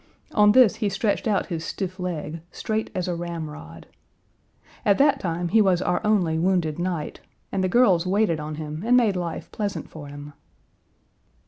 On this he stretched out his stiff leg, straight as a ramrod. At that time he was our only wounded knight, and the girls waited on him and made life pleasant for him.